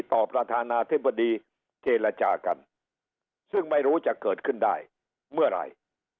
ประธานาธิบดีเจรจากันซึ่งไม่รู้จะเกิดขึ้นได้เมื่อไหร่